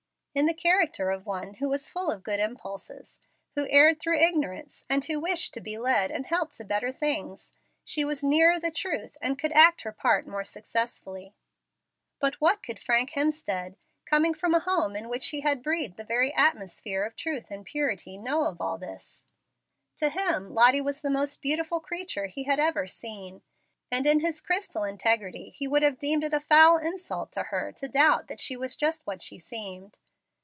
In the character of one who was full of good impulses who erred through ignorance, and who wished to be led and helped to better things she was nearer the truth, and could act her part more successfully. But what could Frank Hemstead, coming from a home in which he had breathed the very atmosphere of truth and purity, know of all this? To him Lottie was the most beautiful creature he had ever seen, and in his crystal integrity he would have deemed it a foul insult to her to doubt that she was just what she seemed.